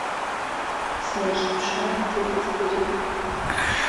Снаихьыԥшаанӡа дыздырит.